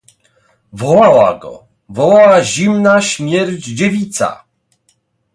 "wołała go, wołała zimna śmierć dziewica!"